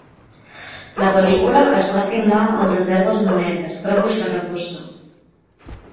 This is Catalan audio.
La pel·lícula es va filmar al desert dels Monegres, prop de Saragossa.